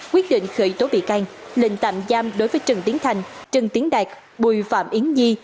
quyết định khởi tố bị can lệnh tạm giam đối với trần tiến thành trần tiến đạt bùi phạm yến nhi